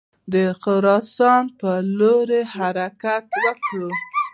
د خراسان پر لور حرکت وکړي.